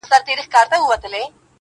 په دربار کي یې څو غټ سړي ساتلي-